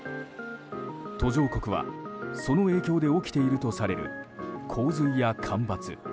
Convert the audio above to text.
途上国はその影響で起きているとされる洪水や干ばつ